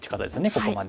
ここまで。